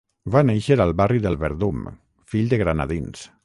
Va néixer al barri del Verdum, fill de granadins.